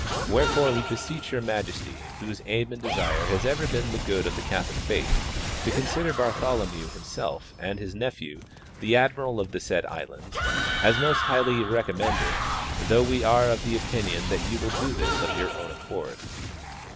Wherefore we beseech your majesty, whQse aim and desire has ever been the good of the Catholic faith, to con sider Bartholomew himself, and his nephew, the admiral of the said islands, as most highly recommended, though we are of the opinion that you Avill.do this of your own accord.